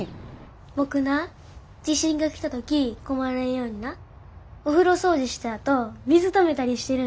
僕な地震が来た時困らんようになお風呂掃除したあと水ためたりしてるんやで。